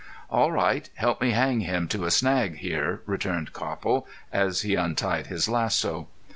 "All right. Help me hang him to a snag here," returned Copple, as he untied his lasso.